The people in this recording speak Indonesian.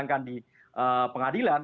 dan kemudian nanti disediakan di pengadilan